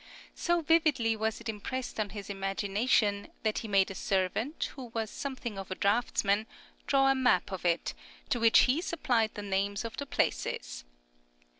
So vividly was it impressed on his imagination, that he made a servant, who was something of a draughtsman, draw a map of it, to which he supplied the names of the places.